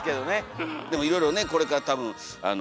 でもいろいろねこれから多分みわこちゃん